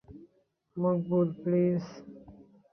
Maqbool, please!